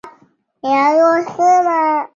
於是自己慢慢走回屋内